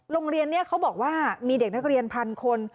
โรงเรียนนี้เขาบอกว่ามีเด็กนักเรียนพันคน